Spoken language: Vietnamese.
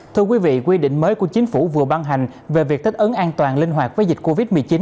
thưa quý vị quy định mới của chính phủ vừa ban hành về việc thích ứng an toàn linh hoạt với dịch covid một mươi chín